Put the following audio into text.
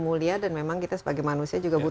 mulia dan memang kita sebagai manusia juga butuh